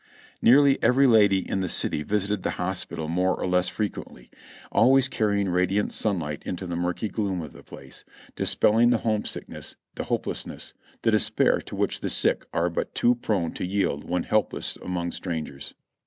Nearly every lady in the city visited the hospital more or less IN TIIK HOSPITAL 347 frequently, always carrying radiant sunlight into the murky gloom of the place, dispelling the homesickness, the hopeless ness— the despair to which the sick are but too prone to yield when helpless among strangers.